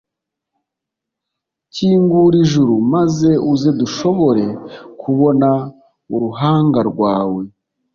kingura ijuru maze uze dushobore kubona uruhangarwawe